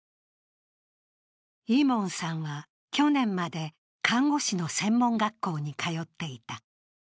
イモンさんは去年まで看護師の専門学校に通っていた。